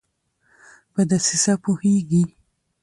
په دسیسه پوهیږي